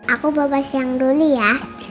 aku bawa bawa siang dulu ya